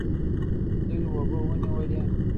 دوی اوبه ونیولې.